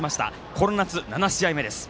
この夏、７試合目。